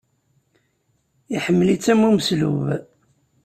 Iḥemmel-itt am umeslub.